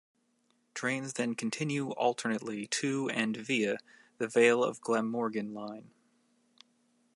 Trains then continue alternately to and via the Vale of Glamorgan Line.